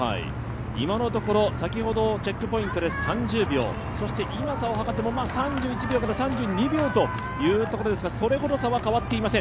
今のところ、先ほどチェックポイントで３０秒、今、差を測っても３１３２秒というところですからそれほど差は変わっていません。